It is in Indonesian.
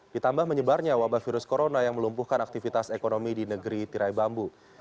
ditambah menyebarnya wabah virus corona yang melumpuhkan aktivitas ekonomi di negeri tirai bambu